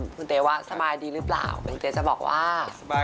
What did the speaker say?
คุณเต๋ว่าสบายดีหรือเปล่า